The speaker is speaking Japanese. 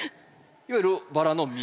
いわゆるバラの実。